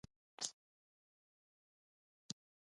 جګړه د انساني شعور ماتې ده